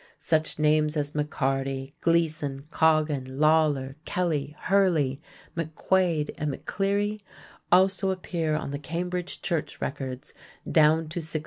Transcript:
Such names as Maccarty, Gleason, Coggan, Lawler, Kelly, Hurley, MackQuade, and McCleary also appear on the Cambridge Church records down to 1690.